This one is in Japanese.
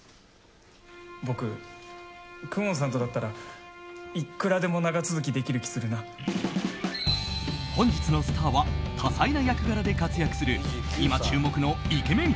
僕、久遠さんとだったらいくらでも本日のスターは多彩な役柄で活躍する今注目のイケメン